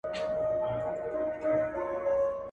ښکلو مونږه څه د جم جوارګر نه يو